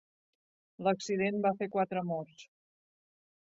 L'accident va fer quatre morts.